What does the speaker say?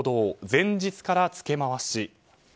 前日からつけ回し。